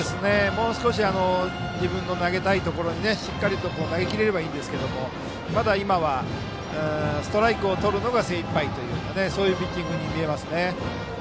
もう少し自分の投げたいところにしっかり投げ切れればいいんですがまだ今は、ストライクをとるのが精いっぱいというそういうピッチングに見えますね。